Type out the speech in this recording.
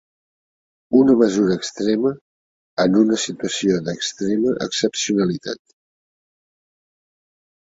Una mesura extrema en una situació d’extrema excepcionalitat.